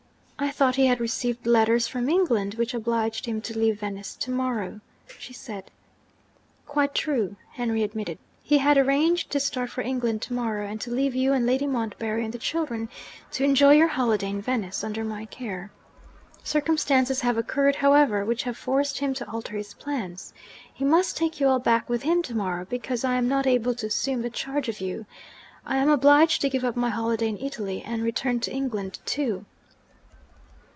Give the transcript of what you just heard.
'I thought he had received letters from England which obliged him to leave Venice to morrow,' she said. 'Quite true,' Henry admitted. 'He had arranged to start for England to morrow, and to leave you and Lady Montbarry and the children to enjoy your holiday in Venice, under my care. Circumstances have occurred, however, which have forced him to alter his plans. He must take you all back with him to morrow because I am not able to assume the charge of you. I am obliged to give up my holiday in Italy, and return to England too.'